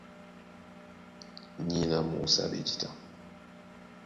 Nyéná mú óúsáɓɛ́ jǐta.